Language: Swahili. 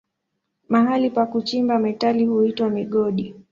Mahali pa kuchimba metali huitwa migodi.